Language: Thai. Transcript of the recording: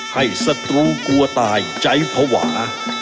ให้สตรูกลัวตายใจภวา